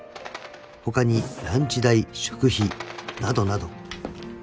［他にランチ代食費などなど］